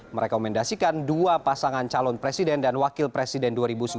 merekomendasikan dua pasangan calon presiden dan wakil presiden dua ribu sembilan belas